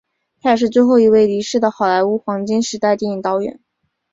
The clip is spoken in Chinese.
他也是最后一位离世的好莱坞黄金时代电影导演。